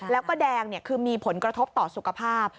แล้วก็แดงคือมีผลกระทบต่อสุขภาพ